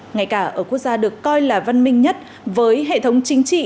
ngay cả ở quốc gia được coi là văn minh nhất với hệ thống chính trị